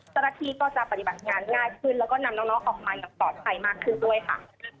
เจ้าหน้าที่ก็จะปฏิบัติงานง่ายขึ้นแล้วก็นำน้องออกมาอย่างปลอดภัยมากขึ้นด้วยค่ะ